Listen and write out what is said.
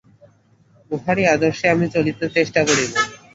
উহারই আদর্শে আমি চলিতে চেষ্টা করিব।